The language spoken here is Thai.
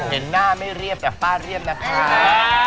เห็นหน้าไม่เรียบจากป้าเรียบนะครับ